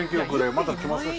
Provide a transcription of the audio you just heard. また来ますし。